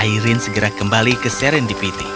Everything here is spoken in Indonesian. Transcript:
irin segera kembali ke serendipity